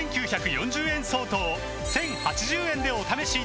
５９４０円相当を１０８０円でお試しいただけます